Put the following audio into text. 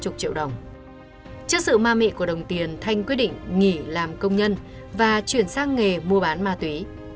trước sự ma mị của đồng tiền thanh quyết định nghỉ làm công nhân và chuyển sang nghề mua bán ma túy